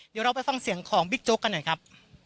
เดี๋ยวเราไปฟังเสียงของบิ๊กโจ๊กกันหน่อยครับ